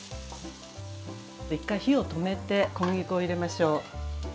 １回火を止めて小麦粉を入れましょう。